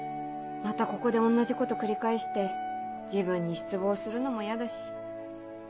またここで同じこと繰り返して自分に失望するのもやだし。